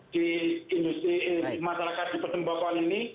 di petembakuan ini